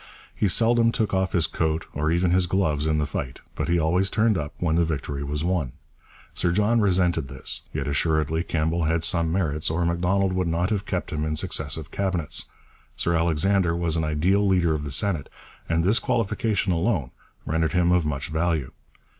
He seldom took off his coat or even his gloves in the fight, but he always turned up when the victory was won. Sir John resented this. Yet assuredly Campbell had some merits, or Macdonald would not have kept him in successive Cabinets. Sir Alexander was an ideal leader of the Senate, and this qualification alone rendered him of much value.